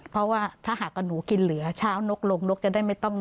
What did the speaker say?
เพราะว่าถ้าหากว่าหนูกินเหลือเช้านกลงนกจะได้ไม่ต้อง